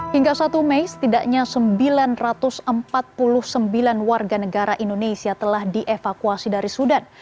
hingga satu mei setidaknya sembilan ratus empat puluh sembilan warga negara indonesia telah dievakuasi dari sudan